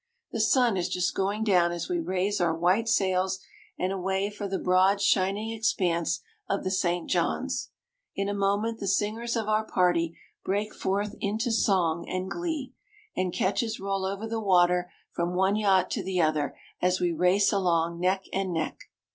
The sun is just going down as we raise our white sails and away for the broad shining expanse of the St. John's. In a moment the singers of our party break forth into song and glee; and catches roll over the water from one yacht to the other as we race along neck and neck.